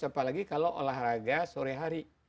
apalagi kalau olahraga sore hari